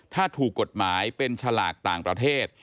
ถ้าถูกกฎหมายเป็นฉลากต่างประเทศ